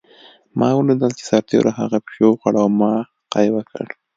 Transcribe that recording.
ما ولیدل چې سرتېرو هغه پیشو وخوړه او ما قی وکړ